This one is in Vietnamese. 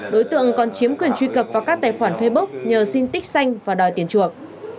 đối tượng còn chiếm quyền truy cập vào các tài khoản facebook nhờ xin tích xanh và đòi tiền chuộc